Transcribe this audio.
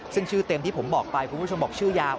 ซึ่งชื่อเต็มที่ผมบอกไปคุณผู้ชมบอกชื่อยาว